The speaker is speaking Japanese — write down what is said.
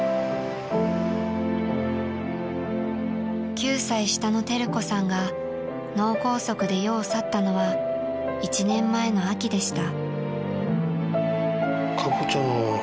［９歳下の輝子さんが脳梗塞で世を去ったのは１年前の秋でした］